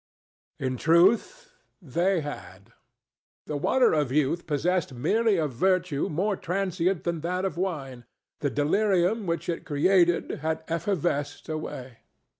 In truth, they had. The Water of Youth possessed merely a virtue more transient than that of wine; the delirium which it created had effervesced away.